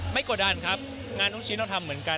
ไม่กดดันครับงานทุกชีพเราทำเหมือนกัน